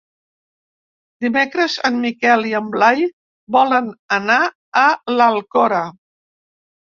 Dimecres en Miquel i en Blai volen anar a l'Alcora.